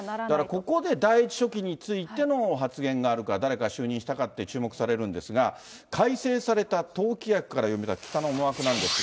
ここで第１書記についての発言があるか、誰が就任されたか注目されるんですが、改正された党規約から読み解く北の思惑なんですが。